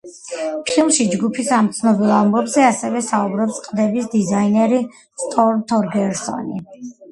ფილმში ჯგუფის ამ ცნობილ ალბომზე ასევე საუბრობს ყდების დიზაინერი სტორმ თორგერსონი.